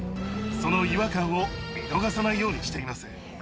その違和感を見逃さないようにしています。